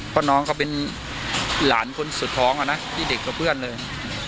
เพราะน้องเขาเป็นหลานคนสุดท้องอะนะที่เด็กกับเพื่อนเลย